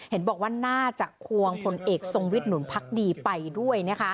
เห็นบอกว่าน่าจะควงผลเอกทรงวิทย์หนุนพักดีไปด้วย